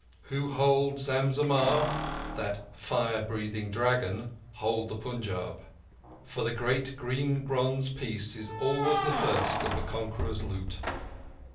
Who hold Zam Zammah, that "fire breathing dragon", hold the Punjab, for the great green bronze piece is always first of the conqueror's loot.